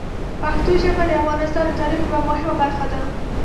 پښتو ژبه د افغانستان د تاریخ یوه مهمه برخه ده.